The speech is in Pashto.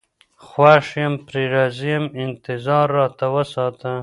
خوښ يم پرې راضي يم انتـظارراتـــه وساته